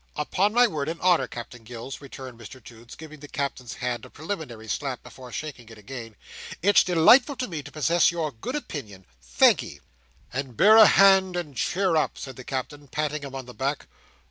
"Upon my word and honour, Captain Gills," returned Mr Toots, giving the Captain's hand a preliminary slap before shaking it again, "it's delightful to me to possess your good opinion. Thank'ee." "And bear a hand and cheer up," said the Captain, patting him on the back.